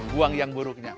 buang yang buruknya